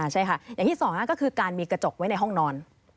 ใช่ค่ะอย่างที่สองก็คือการมีกระจกไว้ในห้องนอน